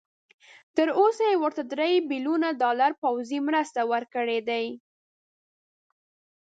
تر اوسه یې ورته درې بيلیونه ډالر پوځي مرسته ورکړي دي.